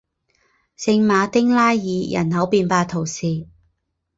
圣马丁拉尔人口变化图示